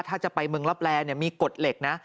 ถ้าจะไปเมืองลับแลมีกฎเหล็กนะ